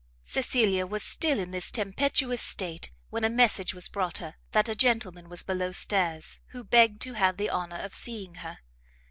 Cecelia was still in this tempestuous state, when a message was brought her that a gentleman was below stairs, who begged to have the honour of seeing her.